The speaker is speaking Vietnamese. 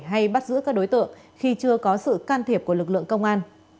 hay bắt giữ các đối tượng khi chưa có sự can thiệp của lực lượng công an